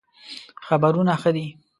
خبرونه ښه دئ